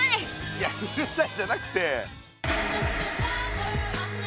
いやうるさいじゃなくて。